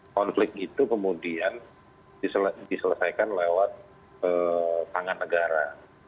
konflik itu kemudian diselesaikan lewat tangan negara